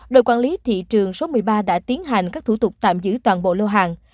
đội quản lý thị trường số một mươi ba đã tiến hành các thủ tục tạm giữ toàn bộ lô hàng